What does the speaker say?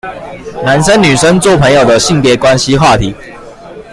男生女生做朋友的性別關係話題